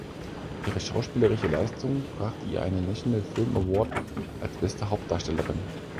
Ihre schauspielerische Leistung brachte ihr einen National Film Award als beste Hauptdarstellerin.